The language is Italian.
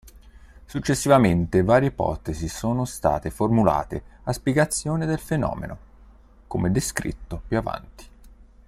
Successivamente varie ipotesi sono state formulate a spiegazione del fenomeno, come descritto più avanti.